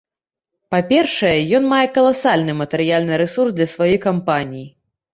Па-першае, ён мае каласальны матэрыяльны рэсурс для сваёй кампаніі.